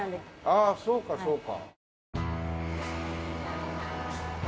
ああそうかそうか。